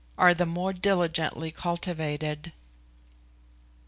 are the more diligently cultivated.